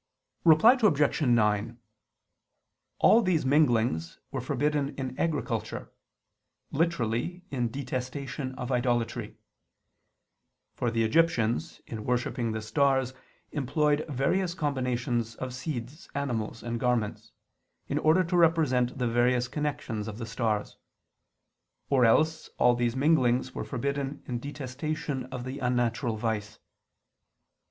Reply Obj. 9: All these minglings were forbidden in agriculture; literally, in detestation of idolatry. For the Egyptians in worshipping the stars employed various combinations of seeds, animals and garments, in order to represent the various connections of the stars. Or else all these minglings were forbidden in detestation of the unnatural vice.